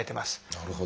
なるほど。